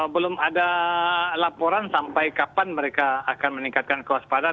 belum ada laporan sampai kapan mereka akan meningkatkan kewaspadaan